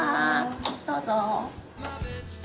どうぞ。